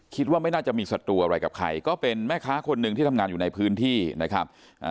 คิดว่าไม่น่าจะมีศัตรูอะไรกับใครก็เป็นแม่ค้าคนหนึ่งที่ทำงานอยู่ในพื้นที่นะครับ